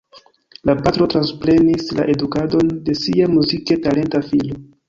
La patro transprenis la edukadon de sia muzike talenta filo.